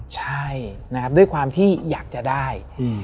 ใช่ด้วยความที่อยากจะได้